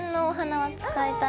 はい。